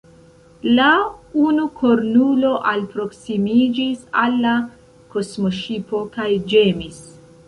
La unukornulo alproskimiĝis al la kosmoŝipo kaj ĝemis.